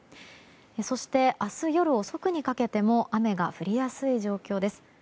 そして、明日夜遅くにかけても雨が降りやすい状況です。